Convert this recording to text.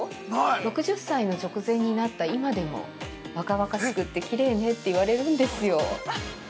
６０歳の直前になった今でも若々しくってきれいねって言われるんですよ。